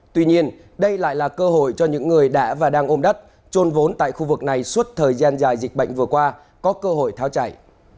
tuy nhiên đây lại là cơ hội cho những người đã và đang ôm đất trôn vốn tại khu vực này suốt thời gian dài dịch bệnh vừa qua có cơ hội tháo chảy